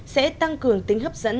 sẽ tăng cường tính hấp dẫn